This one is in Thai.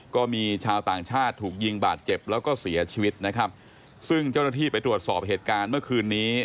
ก็มีชาวต่างชาติถูกยิงบาดเจ็บแล้วก็เสียชีวิตนะครับซึ่งเจ้าหน้าที่ไปตรวจสอบเหตุการณ์เมื่อคืนนี้